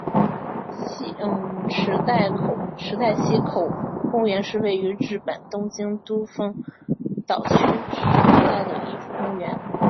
池袋西口公园是位于日本东京都丰岛区池袋的一处公园。